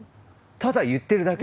「ただ言ってるだけ」。